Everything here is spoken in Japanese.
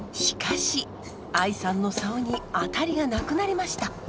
しかし愛さんのサオにアタリがなくなりました。